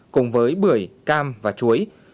cùng với bưởi cam và chuối